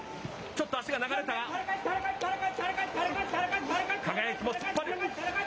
ちょっと足が流れたが。